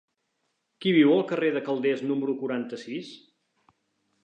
Qui viu al carrer de Calders número quaranta-sis?